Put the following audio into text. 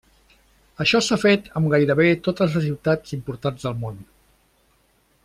Això s'ha fet amb gairebé totes les ciutats importants del món.